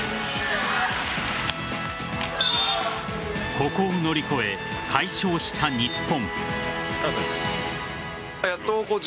ここを乗り越え、快勝した日本。